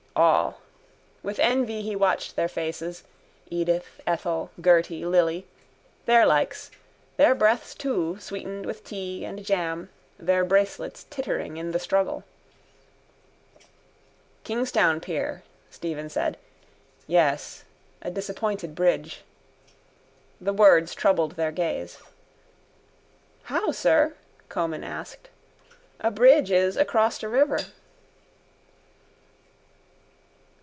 All. With envy he watched their faces: Edith, Ethel, Gerty, Lily. Their likes: their breaths, too, sweetened with tea and jam, their bracelets tittering in the struggle. —Kingstown pier, Stephen said. Yes, a disappointed bridge. The words troubled their gaze. —How, sir? Comyn asked. A bridge is across a river.